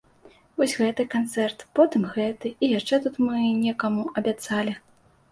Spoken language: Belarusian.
Вось гэты канцэрт, потым гэты, і яшчэ тут мы некаму абяцалі.